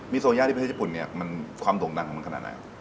โซย่าที่ประเทศญี่ปุ่นเนี่ยมันความโด่งดังของมันขนาดไหนครับ